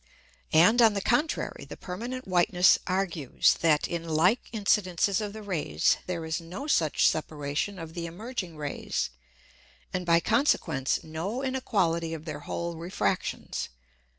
And, on the contrary, the permanent whiteness argues, that in like Incidences of the Rays there is no such separation of the emerging Rays, and by consequence no inequality of their whole Refractions.